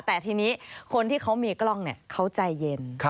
แต่ทีนี้คนที่เขามีกล้องเขาใจเย็น